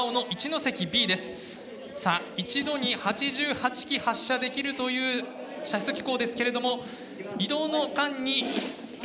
さあ一度に８８機発射できるという射出機構ですけれども移動の間に何機か落ちています。